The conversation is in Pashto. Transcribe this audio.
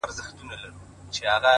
هره ناکامي د پوهې نوې کړکۍ ده!